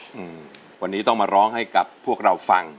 อืมวันนี้ต้องมาร้องให้กับพวกเราฟัง